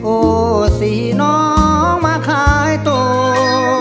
โอ้สี่น้องมาคลายตัว